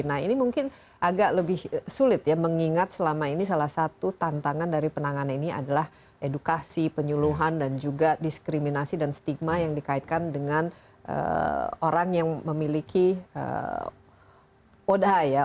nah ini mungkin agak lebih sulit ya mengingat selama ini salah satu tantangan dari penanganan ini adalah edukasi penyuluhan dan juga diskriminasi dan stigma yang dikaitkan dengan orang yang memiliki oda ya